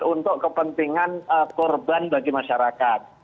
untuk kepentingan korban bagi masyarakat